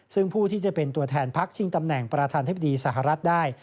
ซึ่งผู้ที่จะเป็นตัวแทนพักชิงตำแหน่งประธานธิบดีสหรัฐได้